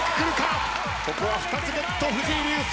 ここは２つゲット藤井流星。